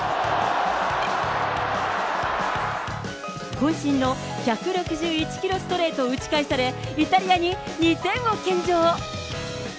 こん身の１６１キロストレートを打ち返され、イタリアに２点を献上。